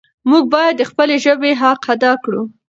موږ باید د خپلې ژبې حق ادا کړو.